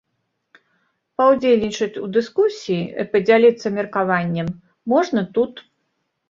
Паўдзельнічаць у дыскусіі і падзяліцца меркаваннем можна тут.